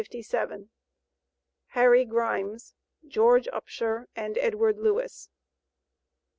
HARRY GRIMES, GEORGE UPSHER, AND EDWARD LEWIS.